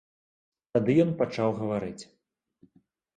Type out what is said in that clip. Тады ён пачаў гаварыць.